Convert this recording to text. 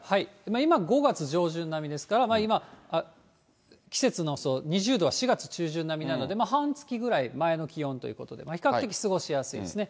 今、５月上旬並みですから、今、季節の２０度は４月中旬並みなので、半月ぐらい前の気温ということで、比較的過ごしやすいですね。